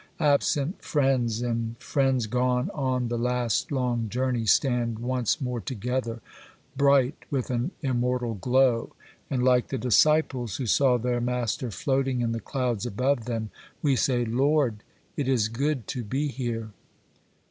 Absent friends and friends gone on the last long journey stand once more together, bright with an immortal glow, and, like the disciples who saw their Master floating in the clouds above them, we say, 'Lord, it is good to be here!